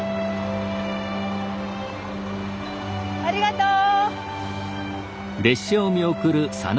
ありがとう。